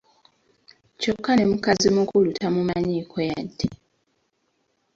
Kyokka n'emukazi mukulu tamumanyiiko yadde.